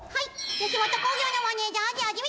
吉本興業のマネジャー味